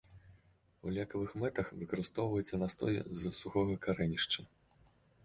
У лекавых мэтах выкарыстоўваецца настой з сухога карэнішча.